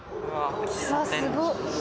すごっ。